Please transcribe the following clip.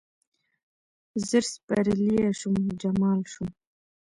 زر سپرلیه شوم، جمال شوم